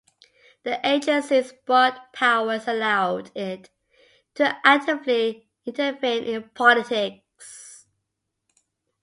The agency's broad powers allowed it to actively intervene in politics.